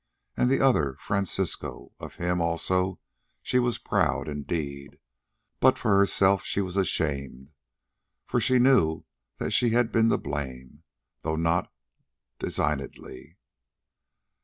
And the other—Francisco. Of him also she was proud indeed, but for herself she was ashamed, for she knew that she had been to blame, though not designedly.